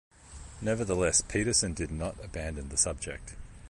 Nevertheless, Pedersen did not abandon the subject.